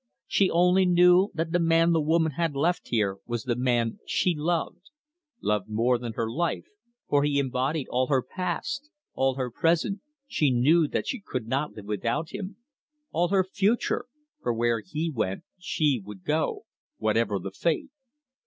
She only knew that the man the woman had left here was the man she loved loved more than her life, for he embodied all her past; all her present she knew that she could not live without him; all her future for where he went she would go, whatever the fate.